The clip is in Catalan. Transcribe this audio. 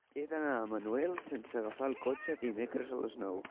He d'anar a Manuel sense agafar el cotxe dimecres a les nou.